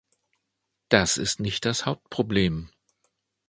Das ist nicht das Hauptproblem.